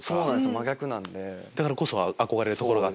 真逆なんで。